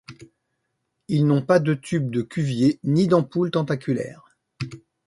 Ils n'ont pas de tubes de Cuvier ni d'ampoules tentaculaires.